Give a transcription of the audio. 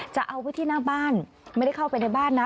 เอาไว้ที่หน้าบ้านไม่ได้เข้าไปในบ้านนะ